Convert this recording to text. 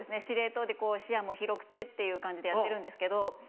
司令塔で視野も広くてっていう感じでやってるんですけど。